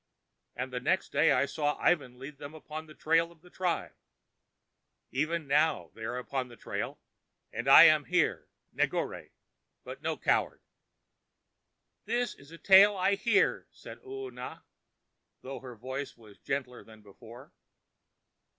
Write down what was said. And the next day I saw Ivan lead them upon the trail of the tribe. Even now are they upon the trail, and I am here, Negore, but no coward." "This is a tale I hear," said Oona, though her voice was gentler than before.